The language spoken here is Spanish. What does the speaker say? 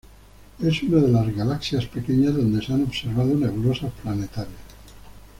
Es una de las galaxias pequeñas donde se han observado nebulosas planetarias.